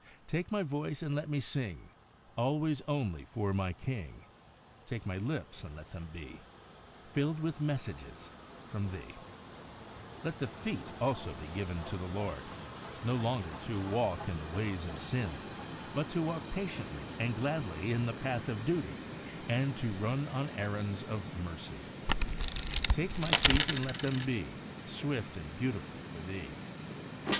Take my voice, and let me sing Always, only for my King; Take my lips, and let them be Filled with messages from Thee. 42 THE WAY OF HOLINESS Let the feet also be given to the Lord, no longer to walk in the ways of sin, but to walk patiently and gladly in the path of duty, and to run on errands of mercy. Take my feet, and let them be Swift and beautiful for Thee.